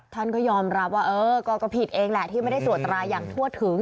ท่านก็ยอมรับว่าเออก็ผิดเองแหละที่ไม่ได้ตรวจตราอย่างทั่วถึง